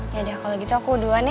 yaudah kalau gitu aku uduan ya